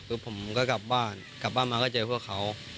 จากนั้นพ่อพ๊อตกรมามาเรียกว่า